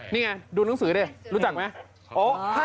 นี่ไงดูหนังสือดิรู้จักไหม